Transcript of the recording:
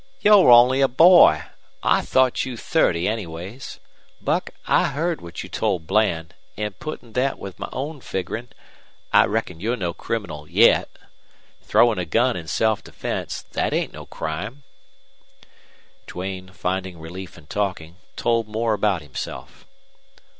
"You're only a boy! I thought you thirty anyways. Buck, I heard what you told Bland, an' puttin' thet with my own figgerin', I reckon you're no criminal yet. Throwin' a gun in self defense thet ain't no crime!" Duane, finding relief in talking, told more about himself.